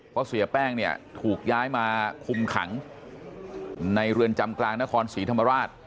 เพราะเสียแป้งเนี่ยถูกย้ายมาคุมขังในเรือนจำกลางนครศรีธรรมราช